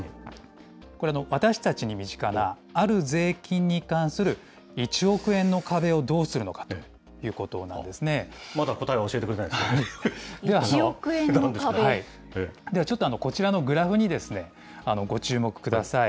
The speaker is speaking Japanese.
これ、私たちに身近な、ある税金に関する１億円の壁をどうするのまだ答えは教えてくれないんではちょっとこちらのグラフにご注目ください。